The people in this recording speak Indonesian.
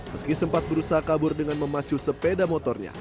meski sempat berusaha kabur dengan memacu sepeda motornya